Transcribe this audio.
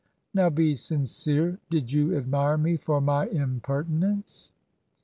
Now, be sincere; did you admire me for my impertinence?'